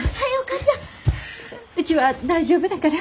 うちは大丈夫だから。